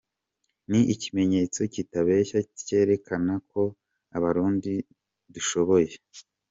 Ni ikimenyetso kitabesha cerekana ko Abarundi dushoboye.